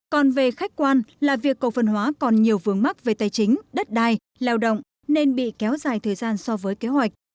còn về khách quan là việc cổ phần hóa còn nhiều vướng mắc về tài chính đất đai lao động nên bị kéo dài thời gian so với kế hoạch